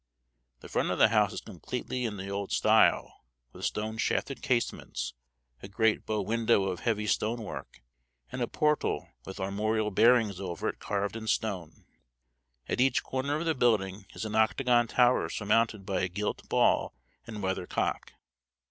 The front of the house is completely in the old style with stone shafted casements, a great bow window of heavy stone work, and a portal with armorial bearings over it carved in stone. At each corner of the building is an octagon tower surmounted by a gilt ball and weather cock.